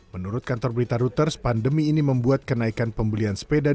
menurut kantor berita reuters pandemi ini membuat kenaikan pembelian sepeda